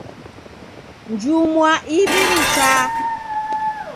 Njumwa iw'i richaa.